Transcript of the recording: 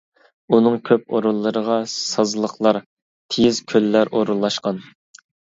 ئۇنىڭ كۆپ ئورۇنلىرىغا سازلىقلار، تېيىز كۆللەر ئورۇنلاشقان.